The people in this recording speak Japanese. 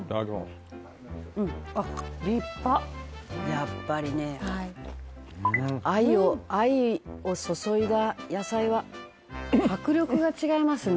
やっぱりね愛を注いだ野菜は迫力が違いますね。